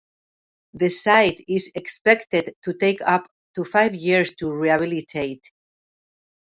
The site is expected to take up to five years to rehabilitate.